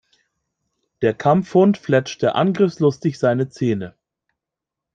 Der Kampfhund fletschte angriffslustig seine Zähne.